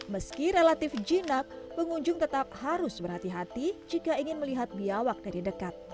meski relatif jinak pengunjung tetap harus berhati hati jika ingin melihat biawak dari dekat